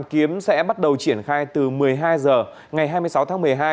kiếm sẽ bắt đầu triển khai từ một mươi hai h ngày hai mươi sáu tháng một mươi hai